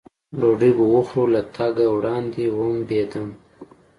ډوډۍ به وخورو، له تګه وړاندې ومبېدم.